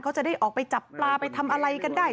เขาจะได้ออกไปจับปลาไปทำอะไรกันได้